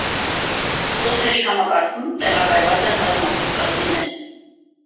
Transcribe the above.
Ծոցերի համակարգում տեղակայված են բազմաթիվ կղզիներ։